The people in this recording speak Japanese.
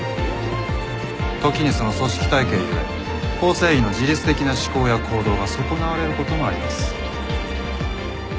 時にその組織体系ゆえ構成員の自立的な思考や行動が損なわれる事もあります。